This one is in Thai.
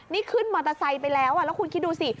นี่ขึ้นมอเตอร์ไซค์ไปแล้วแล้วคุณคิดดูสิ